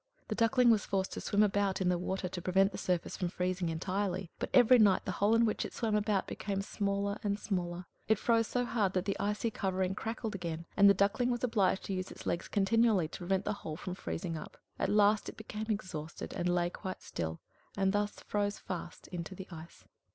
The Duckling was forced to swim about in the water, to prevent the surface from freezing entirely; but every night the hole in which it swam about became smaller and smaller. It froze so hard that the icy covering crackled again; and the Duckling was obliged to use its legs continually to prevent the hole from freezing up. At last it became exhausted, and lay quite still, and thus froze fast into the ice.